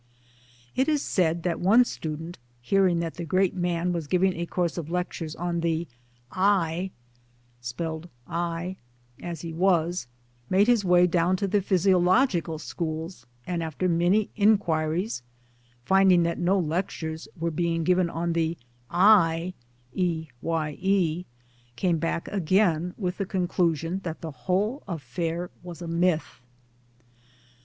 It is said that one student hearing that the great man was giving a course of lectures on the " I " (as he was), made his way down to the Physiological schools and after many inquiries finding that no lectures were being given on the E ye, came back again with the con clusion that the whole affair was a myth